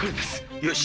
よし。